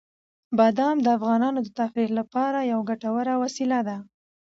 بادام د افغانانو د تفریح لپاره یوه ګټوره وسیله ده.